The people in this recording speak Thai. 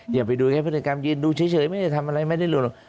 อย่าไปดูแค่พฤติกรรมยืนดูเฉยไม่ได้ทำอะไรไม่ได้หล่น